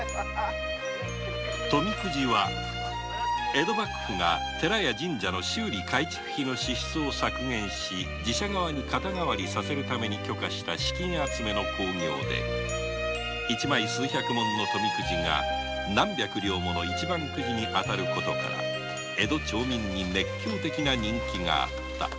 富くじは江戸幕府が寺や神社の修理改築費の支出を削減し寺社がわに肩代わりさせるために許可した資金集めの興行で一枚数百文の富くじが何百両もの一番くじなどに当たる事から江戸町民に熱狂的な人気があった